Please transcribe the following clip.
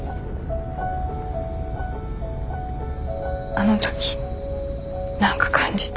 あの時何か感じた。